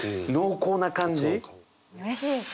うれしいですね。